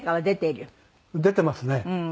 出てますね。